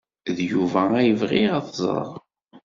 D Yuba ay bɣiɣ ad t-ẓreɣ.